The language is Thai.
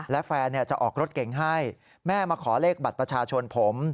และแฟนจะออกรถเก่งให้แม่มาขอเลขบัตรประชาชนผม